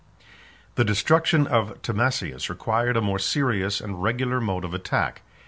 The destruction of Timasius 13 required a more serious and regular mode of attack.